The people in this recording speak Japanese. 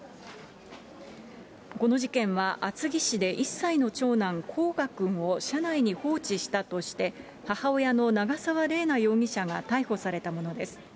この事件は厚木市で１歳の長男、こうがくんを車内に放置したとして、母親の長沢麗奈容疑者が逮捕されたものです。